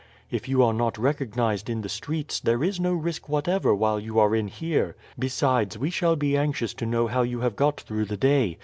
If you are not recognized in the streets there is no risk whatever while you are in here; besides, we shall be anxious to know how you have got through the day.